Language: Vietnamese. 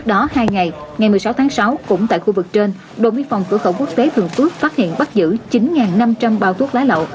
còn cửa khẩu quốc tế thường ước phát hiện bắt giữ chín năm trăm linh bao thuốc lá lậu